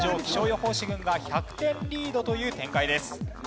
気象予報士軍が１００点リードという展開です。